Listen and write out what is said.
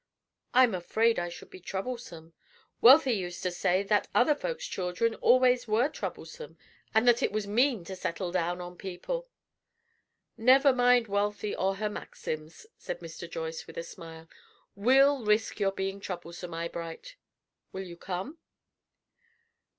I'm afraid I should be troublesome. Wealthy used to say 'that other folks's children always were troublesome,' and that it was mean to 'settle down' on people." "Never mind Wealthy or her maxims," said Mr. Joyce, with a smile. "We'll risk your being troublesome, Eyebright. Will you come?"